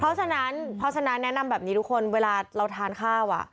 เพราะฉะนั้นแนะนำแบบนี้ทุกคนเวลาเราทานข้าว